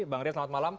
bang rian selamat malam